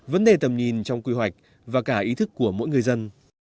vấn đề tầm nhìn trong quy hoạch và cả ý thức của mỗi người dân